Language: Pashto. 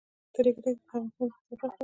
د ریګ دښتې د افغانستان د اقتصاد برخه ده.